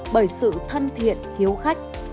bởi sự thân thiện hiếu khách